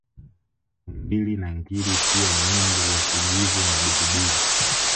Tumbili na ngiri pia nyumbu wa kijivu na Digidigi